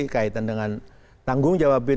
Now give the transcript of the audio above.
kaitan dengan tanggung jawab